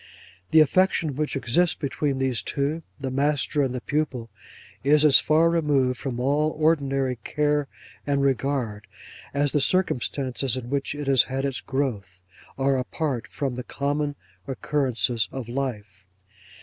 The affection which exists between these two—the master and the pupil—is as far removed from all ordinary care and regard, as the circumstances in which it has had its growth, are apart from the common occurrences of life.